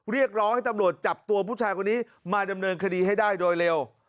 เรียกร้องให้ตำรวจจับตัวผู้ชายคนนี้มาดำเนินคดีให้ได้โดยเร็ว